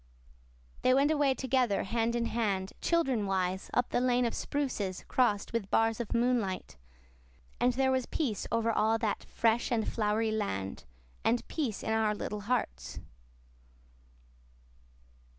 They went away together hand in hand, children wise, up the lane of spruces crossed with bars of moonlight. And there was peace over all that fresh and flowery land, and peace in our little hearts.